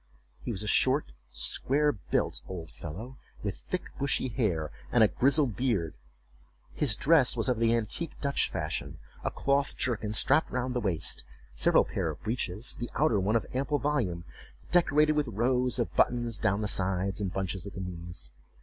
He was a short square built old fellow, with thick bushy hair, and a grizzled beard. His dress was of the antique Dutch fashion—a cloth jerkin strapped round the waist—several pair of breeches, the outer one of ample volume, decorated with rows of buttons down the sides, and bunches at the knees.